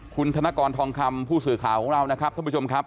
คุณธนกรทองคำผู้สื่อข่าวของเรานะครับท่านผู้ชมครับ